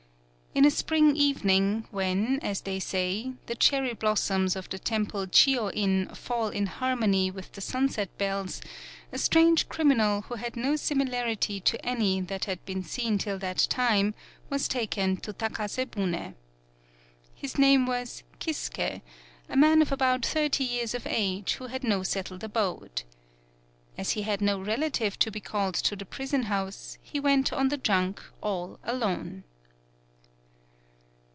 In a spring evening when, as they say, the cherry blossoms of the temple Chioin fall in harmony with the sunset bells, a strange criminal who had no similarity to any that had been seen till that time was taken to Takase bune. His name was Kisuke, a man of about thirty years of age, who had no settled abode. As he had no relative to be called to the prison house, he went on the junk all alone.